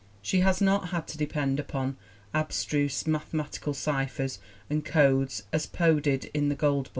She has not had to depend upon abstruse mathematical ciphers and codes as Poe did in The Goldbug.